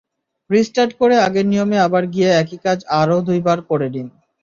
Restart করে আগের নিয়মে আবার গিয়ে একই কাজ আরও দুবার করে নিন।